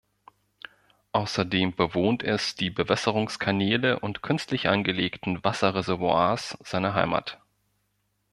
Außerdem bewohnt es die Bewässerungskanäle und künstlich angelegten Wasserreservoirs seiner Heimat.